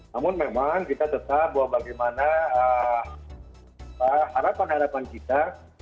namun memang kita tetap bahwa bagaimana harapan harapan kita